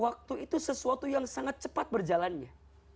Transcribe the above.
yang kedua waktu itu sesuatu yang sangat cepat berjalannya